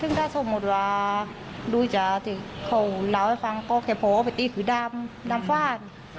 ถึงถ้าสมุดว่าดูจากที่เขาเล่าให้ฟังก็แค่พวกเขาแปลกี้คือดำดำฝ้าน